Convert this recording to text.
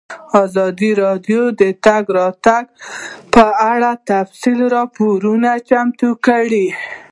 ازادي راډیو د د تګ راتګ ازادي په اړه تفصیلي راپور چمتو کړی.